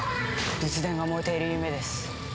仏殿が燃えている夢です。